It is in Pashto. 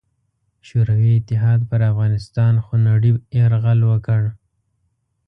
شوروي اتحاد پر افغانستان خونړې یرغل وکړ.